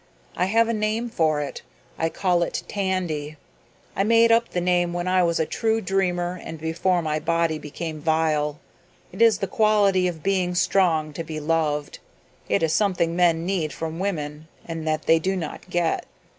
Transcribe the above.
I have a name for it. I call it Tandy. I made up the name when I was a true dreamer and before my body became vile. It is the quality of being strong to be loved. It is something men need from women and that they do not get."